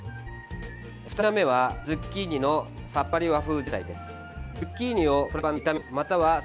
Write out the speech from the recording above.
２品目はズッキーニのさっぱり和風前菜です。